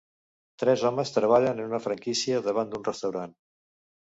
Tres homes treballen en una franquícia davant d'un restaurant.